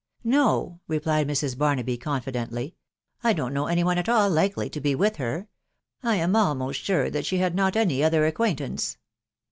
" No/' replied Mrs. Barnaby confidently, " I don't know any one at all likely to be with her. I am almost awre that sbt had not any other acquaintance."